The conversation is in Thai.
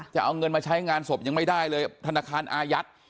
จะเอาเงินมาใช้งานศพยังไม่ได้เลยธนาคารอายัด